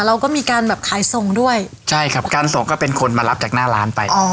เราก็มีการแบบขายส่งด้วยใช่ครับการส่งก็เป็นคนมารับจากหน้าร้านไปอ๋อ